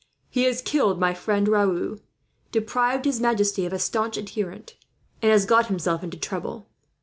He has killed my friend Raoul, deprived his majesty of a staunch adherent, and has got himself into trouble.